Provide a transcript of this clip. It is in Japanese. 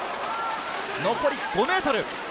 残り５ｍ！